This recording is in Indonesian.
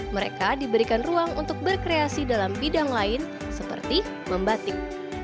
mereka diberikan ruang untuk berkreasi dalam bidang lain seperti membatik